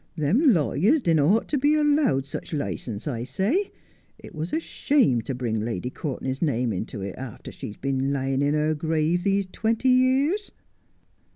Them lawyers didn't ought to be allowed such licence, I say. It was a shame to bring Lady Courtenay's name into it, after she's been lying in her grave these twenty years.'